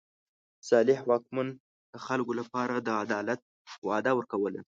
صالح واکمن د خلکو لپاره د عدالت وعده ورکوله.